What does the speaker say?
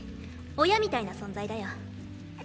親みたいな存在だよ。